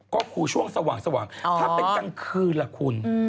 ก็คือช่วงสว่างถ้าเป็นกลางคืนล่ะคุณ